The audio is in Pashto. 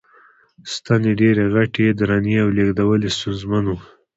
ستنې ډېرې غټې، درنې او لېږدول یې ستونزمن و.